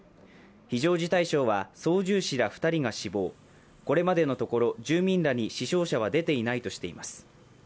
非常事態省は操縦士ら２人が死亡、これまでのところ住民らに死傷者は出ていないとしています。